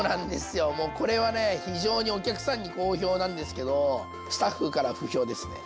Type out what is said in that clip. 非常にお客さんに好評なんですけどスタッフから不評ですね。